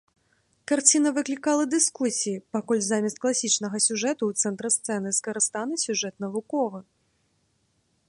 Карціна выклікала дыскусіі, паколькі замест класічнага сюжэту ў цэнтры сцэны скарыстаны сюжэт навуковы.